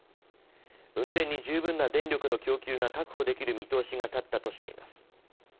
運転に十分な電力の供給が確保できる見通しが立ったとしています。